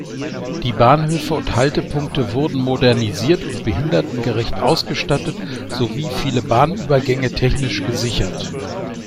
Die Bahnhöfe und Haltepunkte wurden modernisiert und behindertengerecht ausgestattet sowie viele Bahnübergänge technisch gesichert.